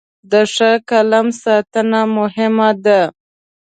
د ښه قلم ساتنه مهمه ده.